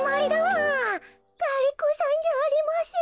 ガリ子さんじゃありません。